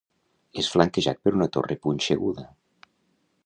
És flanquejat per una torre punxeguda.